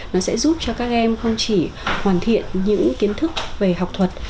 nó sẽ giúp cho các em không chỉ hoàn thiện những kiến thức về học thuật